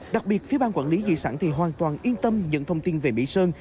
đặc biệt phía bang quản lý di sản thì hoàn toàn yên tâm những thông tin về mỹ sơn